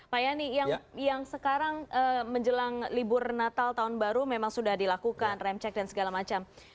pak yani yang sekarang menjelang libur natal tahun baru memang sudah dilakukan rem cek dan segala macam